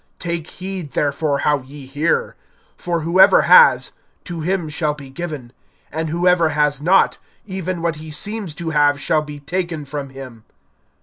(18)Take heed therefore how ye hear. For whoever has, to him shall be given; and whoever has not, even what he seems to have shall be taken from him.